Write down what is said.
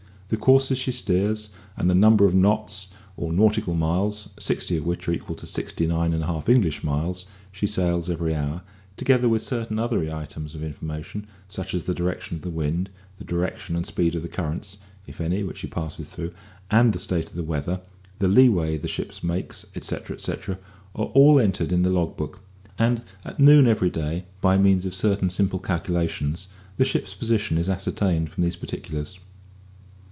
The courses she steers, and the number of knots or nautical miles (sixty of which are equal to sixty nine and a half English miles) she sails every hour, together with certain other items of information, such as the direction of the wind, the direction and speed of the currents, if any, which she passes through, and the state of the weather, the lee way the ship makes, etcetera, etcetera, are all entered in the log book; and at noon every day, by means of certain simple calculations, the ship's position is ascertained from these particulars.